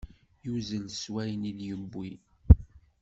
Yuzzel s wayen i d-yewwi.